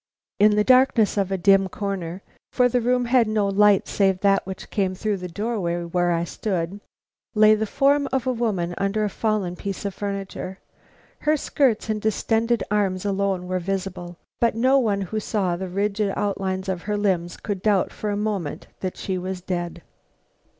In the darkness of a dim corner (for the room had no light save that which came through the doorway where I stood) lay the form of a woman under a fallen piece of furniture. Her skirts and distended arms alone were visible; but no one who saw the rigid outlines of her limbs could doubt for a moment that she was dead.